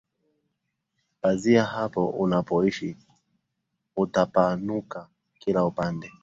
Pazia hapo unapoishi Utapanuka kila upande